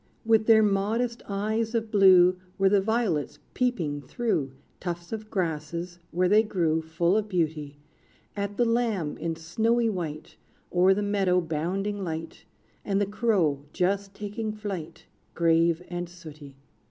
With their modest eyes of blue Were the violets peeping through Tufts of grasses, where they grew, Full of beauty, At the lamb in snowy white, O'er the meadow bounding light, And the crow just taking flight, Grave and sooty.